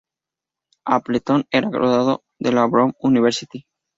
Appleton era graduado de la Brown University.